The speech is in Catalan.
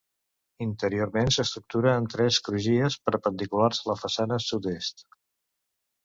Interiorment s'estructura en tres crugies perpendiculars a la façana sud-est.